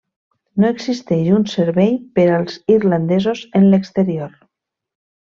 No existeix un servei per als irlandesos en l'exterior.